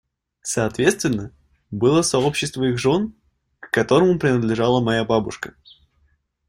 Соответственно, было сообщество их жен, к которому принадлежала моя бабушка.